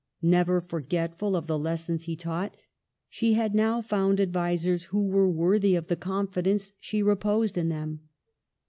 Never forgetful of the lessons he taught, she had now found advisers who were worthy of the confidence she reposed in them.